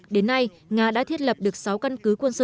đến nay nga đã thiết lập được sáu căn cứ quân sự